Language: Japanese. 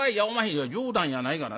「いや冗談やないがな。